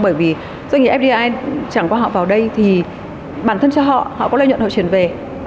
bởi vì doanh nghiệp fdi chẳng qua họ vào đây thì bản thân cho họ họ có lợi nhuận họ chuyển về